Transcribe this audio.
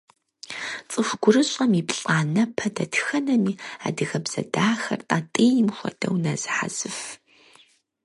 ЦӀыху гурыщӀэм и плӀанэпэ дэтхэнэми адыгэбзэ дахэр тӀатӀийм хуэдэу нэзыхьэсыф.